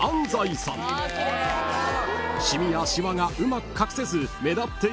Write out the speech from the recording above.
［染みやしわがうまく隠せず目立っていたが］